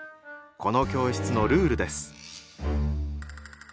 この教室のルールです。